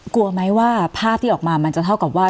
กลัวไหมว่าภาพที่ออกมามันจะเท่ากับว่า